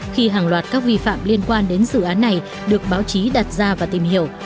khi hàng loạt các vi phạm liên quan đến dự án này được báo chí đặt ra và tìm hiểu